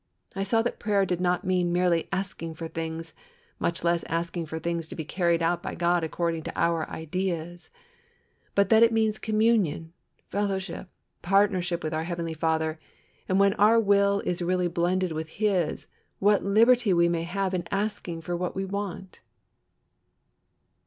I saw that prayer did not mean merely asking for things, much less asking for things to be carried out by God according to our ideas; but that it means communion, fellowship, partnership, with our Heavenly Father. And when our will is really blended with His, what liberty we may have in asking for what we want!"